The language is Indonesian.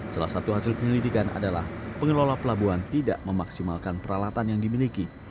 salah satu hasil penyelidikan adalah pengelola pelabuhan tidak memaksimalkan peralatan yang dimiliki